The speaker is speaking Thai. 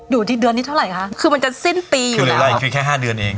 อยู่ที่เดือนนี้เท่าไรคะคือมันจะสิ้นปีอยู่แล้วคือเราอยู่ที่แค่ห้าเดือนเอง